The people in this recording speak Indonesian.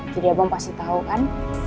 jadi abang pasti tau kan